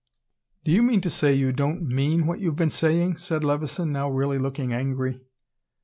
"Do you mean to say you don't MEAN what you've been saying?" said Levison, now really looking angry.